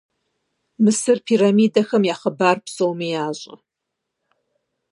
Мысыр пирамидэхэм я хъыбар псоми ящӀэ.